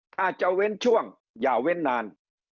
ถ้าจะเว้นช่วงอย่าเว้นนาน